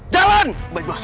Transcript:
jalan baik bos baik bos